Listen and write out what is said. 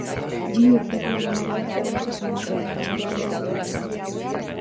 Bi urteko landarea, luze samarra eta lore zuria duena.